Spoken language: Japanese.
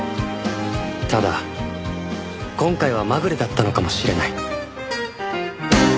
ただ今回はまぐれだったのかもしれない